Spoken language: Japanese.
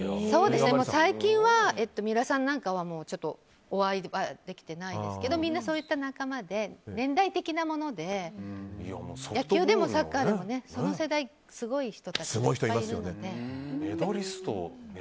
最近は三浦さんなんかはお会いできてないですけどみんなそういった仲間で年代的なもので野球でもサッカーでもその世代すごい人たちいっぱいいるので。